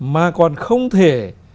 mà còn không thể